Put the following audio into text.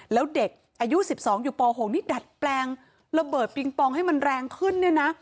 แล้วเด็กอายุ๑๒อยู่ป๖นี่ดัดแปลงระเบิดปิงปองให้มันแรงขึ้นเนี่ยนะ